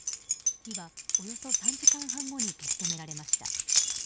火はおよそ３時間半後に消し止められました。